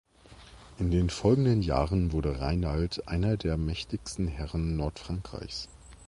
In den folgenden Jahren wurde Rainald einer der mächtigsten Herren Nordfrankreichs.